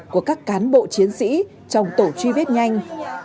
của các cán bộ chiến sĩ trong tổ truy vết nhanh